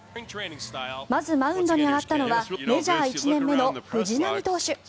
まずマウンドに上がったのはメジャー１年目の藤浪投手。